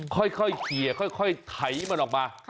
ค่อยเคลียร์ค่อยไถมันออกมา